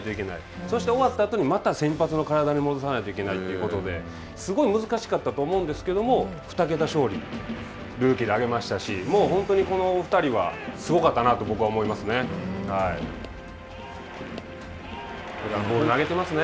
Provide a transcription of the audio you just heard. そして、終わったあとにまた先発の体に戻さないといけないというのですごい難しかったと思うんですけれども二桁勝利ルーキーで挙げましたし本当にこの２人はすごかったなと僕は思いますね。